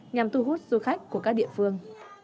nhằm thu hút du khách của các địa phương